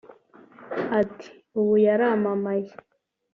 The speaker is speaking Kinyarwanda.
Ati “Ubu yaramamaye